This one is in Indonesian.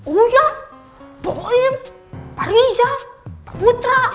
uya boim pariza putra